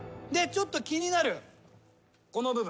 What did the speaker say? ちょっと気になるこの部分。